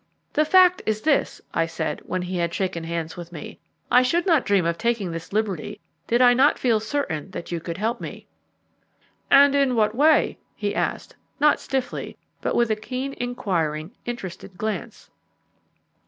"The fact is this," I said, when he had shaken hands with me, "I should not dream of taking this liberty did I not feel certain that you could help me." "And in what way?" he asked, not stiffly, but with a keen, inquiring, interested glance.